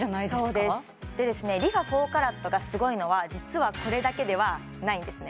そうですＲｅＦａ４ＣＡＲＡＴがすごいのは実はこれだけではないんですね